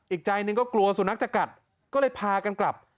อีกใจหนึ่งก็กลัวสุนัขจะกัดก็เลยพากันกลับ